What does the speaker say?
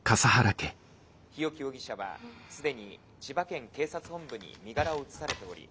日置容疑者は既に千葉県警察本部に身柄を移されており」。